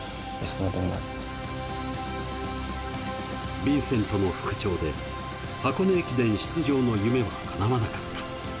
ヴィンセントの復調で箱根駅伝出場の夢はかなわなかった。